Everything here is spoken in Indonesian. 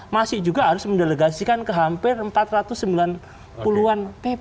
masih juga harus mendelegasikan ke hampir empat ratus sembilan puluh an pp